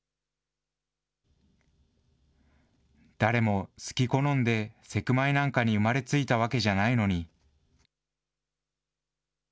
誰も好き好んでセクマイなんかに生まれついたわけじゃないのに。